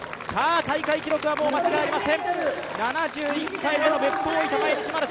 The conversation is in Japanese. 大会記録はもう間違いありません。